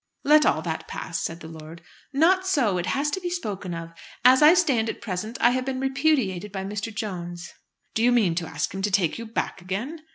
"Let all that pass," said the lord. "Not so. It has to be spoken of. As I stand at present I have been repudiated by Mr. Jones." "Do you mean to ask him to take you back again?"